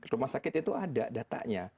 rumah sakit itu ada datanya